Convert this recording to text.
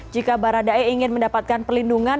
jika baradae ingin mendapatkan perlindungan